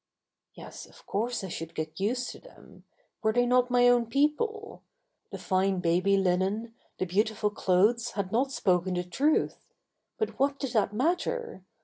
Yes, of course I should get used to them; were they not my own people? The fine baby linen, the beautiful clothes had not spoken the truth. But what did that matter!